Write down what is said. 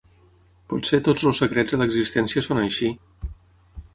Potser tots els secrets de l'existència són així.